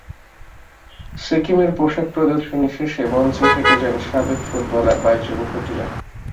সিকিমের পোশাক প্রদর্শনী শেষে মঞ্চে হেঁটে যান সাবেক ফুটবলার বাইচুং ভুটিয়া।